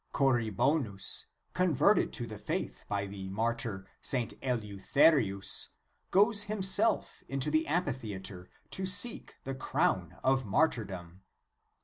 Corribonus, converted to the faith by the martyr St. Eleutherius, goes himself into the amphitheatre to seek the crown of martyr dom.